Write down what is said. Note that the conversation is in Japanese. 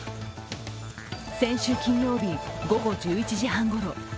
先週金曜日、午後１１時半ごろ